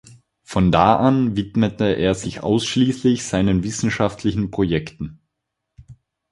Von da widmete er sich ausschliesslich seinen wissenschaftlichen Projekten.